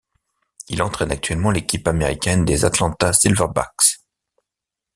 Il entraîne actuellement l'équipe américaine des Atlanta Silverbacks.